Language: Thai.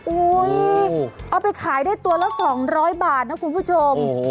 เอาไปขายได้ตัวละ๒๐๐บาทนะคุณผู้ชม